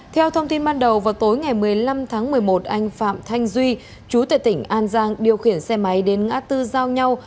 theo thông tin ban đầu vào tối ngày một mươi năm tháng một mươi một anh phạm thanh duy chú tệ tỉnh an giang điều khiển xe máy đến ngã tư giao nhau